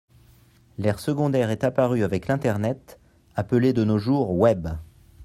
L'aire secondaire est apparu avec l'internet, appelé de nos jours Web